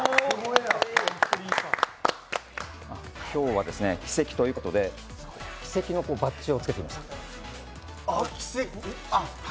今日は奇跡ということで、奇跡のバッジをつけてきました。